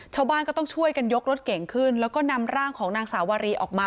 ชาวบ้านก็ต้องช่วยกันยกรถเก่งขึ้นแล้วก็นำร่างของนางสาวารีออกมา